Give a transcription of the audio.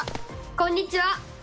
こんにちは！